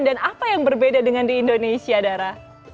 dan apa yang berbeda dengan di indonesia dara